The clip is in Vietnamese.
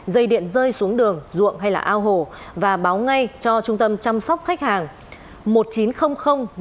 dây điện rơi xuống đường ruộng hay là ao hồ và báo ngay cho trung tâm chăm sóc khách hàng